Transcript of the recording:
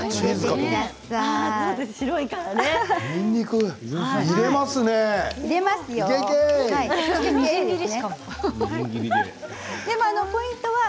にんにく入れますね。